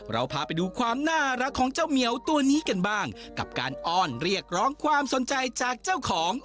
เราพาไปดูความน่ารักของเจ้าเหมียวตัวนี้กันบ้างกับการอ้อนเรียกร้องความสนใจจากเจ้าของ